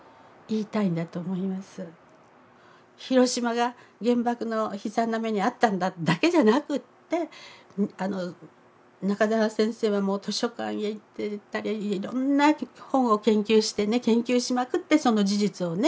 広島が原爆の悲惨な目に遭ったんだだけじゃなくて中沢先生は図書館へ行ったりいろんな本を研究して研究しまくってその事実をね